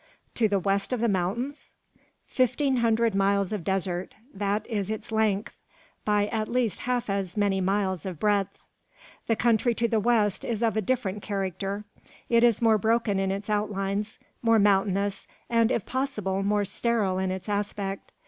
"To the west of the mountains?" "Fifteen hundred miles of desert; that is its length, by at least half as many miles of breadth. The country to the west is of a different character. It is more broken in its outlines, more mountainous, and if possible more sterile in its aspect.